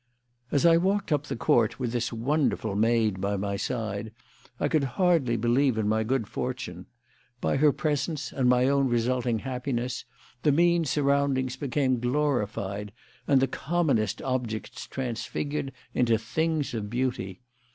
As I walked up the court with this wonderful maid by my side I could hardly believe in my good fortune. By her presence and my own resulting happiness the mean surroundings became glorified and the commonest objects transfigured into things of beauty.